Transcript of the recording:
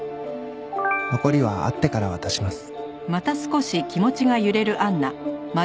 「残りは会ってから渡します」